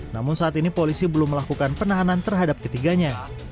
namun saat ini polisi belum melakukan penahanan terhadap ketiganya